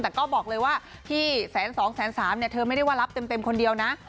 แต่ก็บอกเลยว่าที่แสนสองแสนสามเนี่ยเธอไม่ได้ว่ารับเต็มคนเดียวนะ